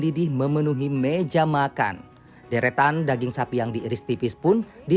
tadi dari tadi saya merasakan cukup hangat disini